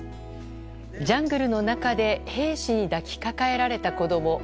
ジャングルの中で兵士に抱きかかえられた子供。